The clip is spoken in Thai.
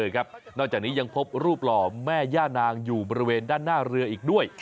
นอกจากนี้ยังพบรูปหล่อแม่ย่านางอยู่บริเวณด้านหน้าเรืออีกด้วย